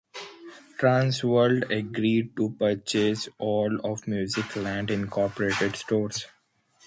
Trans World agreed to purchase all of Musicland Incorporated stores.